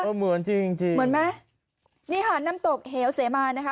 เหมือนจริงจริงเหมือนไหมนี่ค่ะน้ำตกเหวเสมานะคะ